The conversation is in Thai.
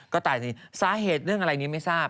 ก็ตายสิสาเหตุเรื่องอะไรนี้ไม่ทราบ